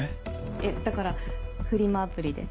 いやだからフリマアプリで。